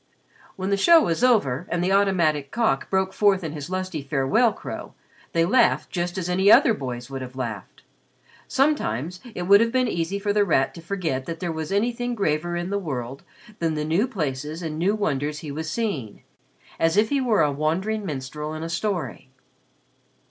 When the show was over and the automatic cock broke forth into his lusty farewell crow, they laughed just as any other boys would have laughed. Sometimes it would have been easy for The Rat to forget that there was anything graver in the world than the new places and new wonders he was seeing, as if he were a wandering minstrel in a story.